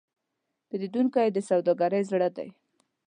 پیرودونکی د سوداګرۍ زړه دی.